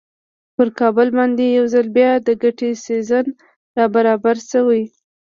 پر کابل باندې یو ځل بیا د ګټې سیزن را برابر شوی.